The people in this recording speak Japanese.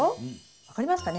分かりますかね？